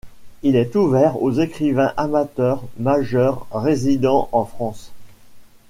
Il est ouvert aux écrivains amateurs majeurs résidant en France.